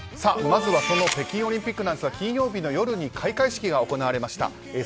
まずはその北京オリンピックですが金曜日の夜に開会式が行われました。